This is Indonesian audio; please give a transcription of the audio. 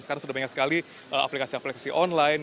sekarang sudah banyak sekali aplikasi aplikasi online